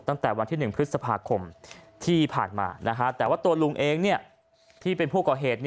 ตั้งแต่วันที่๑พฤษภาคมที่ผ่านมาแต่ว่าตัวลุงเองที่เป็นผู้ก่อเหตุ